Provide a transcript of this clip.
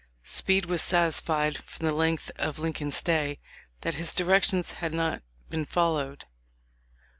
Speed was satisfied, from the length of Lincoln's stay, that his directions had not been followed.